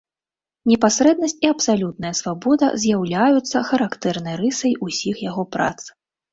Непасрэднасць і абсалютная свабода з'яўляюцца характэрнай рысай усіх яго прац.